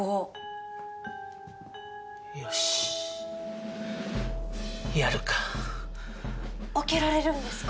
よしやるか。開けられるんですか？